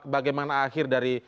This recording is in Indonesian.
bagaimana akhir dari